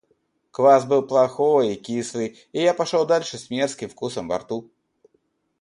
Квас был плохой и кислый, и я пошел дальше с мерзким вкусом во рту.